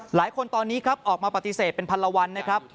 หลายคนตอนนี้ออกมาปฏิเสธเป็นภรรณนะครับ